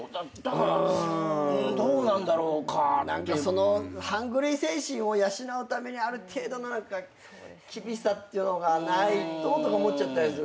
そのハングリー精神を養うためにある程度なら厳しさっていうのがないととか思っちゃったりする。